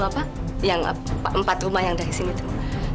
apa yang empat rumah yang dari sini itu